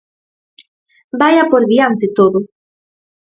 Vaia por diante todo.